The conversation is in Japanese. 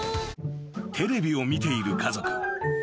［テレビを見ている家族］